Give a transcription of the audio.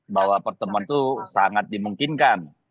bahwa pertemuan itu sangat dimungkinkan